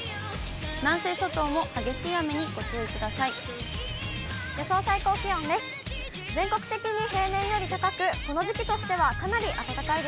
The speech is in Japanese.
南西諸島も激しい雨にご注意ください。